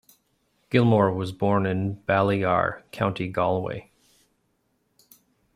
Gilmore was born in Ballygar, County Galway.